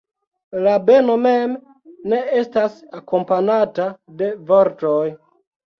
La beno mem ne estas akompanata de vortoj.